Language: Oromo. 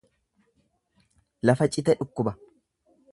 Lafa cite dhukkuba.